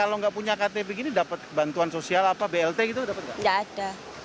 kalau nggak punya ktp gini dapat bantuan sosial apa blt gitu dapat nggak ada